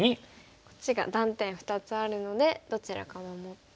こっちが断点２つあるのでどちらか守って。